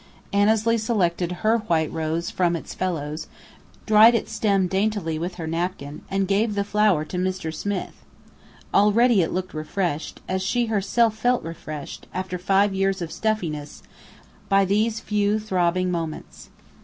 Annesley selected her white rose from its fellows, dried its stem daintily with her napkin, and gave the flower to "Mr. Smith." Already it looked refreshed, as she herself felt refreshed, after five years of "stuffiness," by these few throbbing moments.